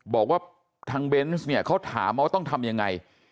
บอกว่าทางเบนส์เนี่ยเขาถามมาว่าต้องทำยังไง